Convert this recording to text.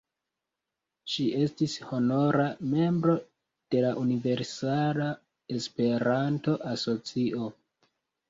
Ŝi estis honora membro de la Universala Esperanto-Asocio.